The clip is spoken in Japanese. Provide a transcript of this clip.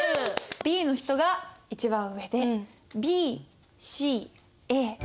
Ｂの人が一番上でＢＣＡ。